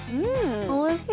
おいしい。